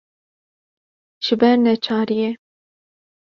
ji ber neçariyê